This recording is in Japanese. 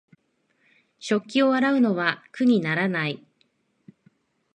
食器を洗うのは苦にならない